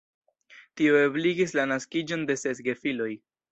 Tio ebligis la naskiĝon de ses gefiloj.